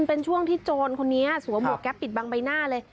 เป็นช่วงที่โจรคนนี้สวมหวกแก๊ปปิดบังใบหน้าเลย